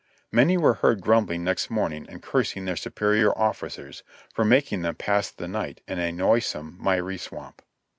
Many w ere heard grumbling next morning and cursing their superior ofHcers for making them pass the night in a noisome, miry swamp.